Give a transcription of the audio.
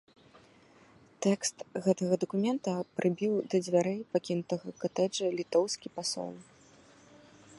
Тэкст гэтага дакумента прыбіў да дзвярэй пакінутага катэджа літоўскі пасол.